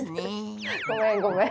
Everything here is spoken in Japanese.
ごめんごめん。